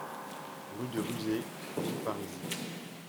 Rue de Ruzé, Villeparisis